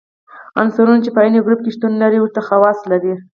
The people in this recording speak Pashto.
عنصرونه چې په عین ګروپ کې شتون ولري ورته خواص لري.